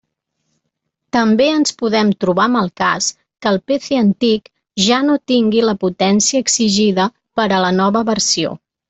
També ens podem trobar amb el cas que el PC antic ja no tingui la potència exigida per a la nova versió.